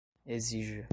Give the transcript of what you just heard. exija